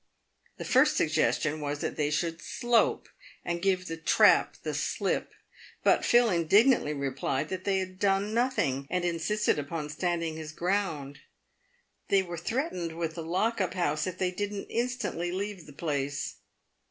The first suggestion w r as, that they should " slope," and give the "trap" the slip. But Phil indignantly replied that they had done nothing, and insisted upon standing his ground. They were threat ened with the lock up house if they did not instantly leave the place.